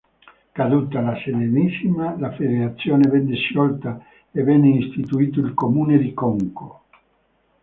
Caduta la Serenissima, la Federazione venne sciolta e venne istituito il comune di Conco.